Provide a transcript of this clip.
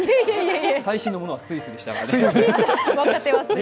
最新のものはスイスでしたから。